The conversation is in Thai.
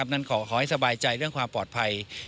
นั้นขอให้สบายใจเรื่องความปลอดภัย